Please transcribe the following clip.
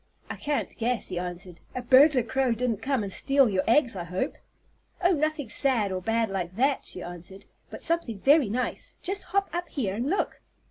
"I can't guess," he answered. "A burglar crow didn't come and steal your eggs, I hope!" "Oh, nothing sad or bad like that," she answered. "But something very nice. Just hop up here and look."